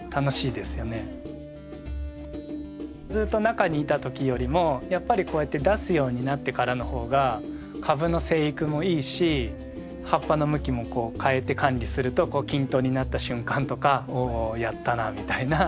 ずっと中にいた時よりもやっぱりこうやって出すようになってからのほうが株の生育もいいし葉っぱの向きもこう変えて管理すると均等になった瞬間とか「おやったな」みたいな。